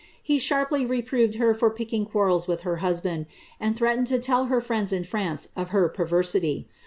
He sharply reproved her for picking quarrels with her husband, and threatened to tell her friends in France (>f her perversity.